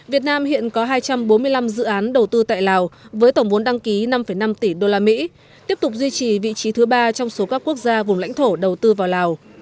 việt nam hiện có hai trăm bốn mươi năm dự án đầu tư tại lào với tổng vốn đăng ký năm năm tỷ usd tiếp tục duy trì vị trí thứ ba trong số các quốc gia vùng lãnh thổ đầu tư vào lào